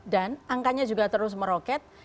dan angkanya juga terus meroket